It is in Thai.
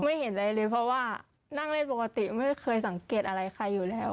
ไม่เห็นอะไรเลยเพราะว่านั่งเล่นปกติไม่เคยสังเกตอะไรใครอยู่แล้ว